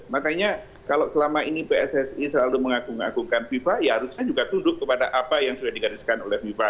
makanya kalau selama ini pssi selalu mengagum agungkan fifa ya harusnya juga tunduk kepada apa yang sudah digariskan oleh fifa